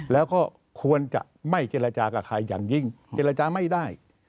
แล้วก็ควรจะไม่เจรจากับใครอย่างยิ่งเจรจาไม่ได้